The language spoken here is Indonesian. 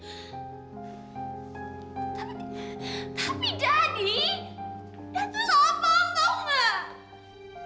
dari tuh salah paham tau gak